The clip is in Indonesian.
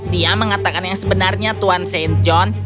dia mengatakan yang sebenarnya tuan st john